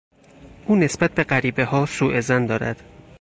او نسبت به غریبهها سوظن دارد.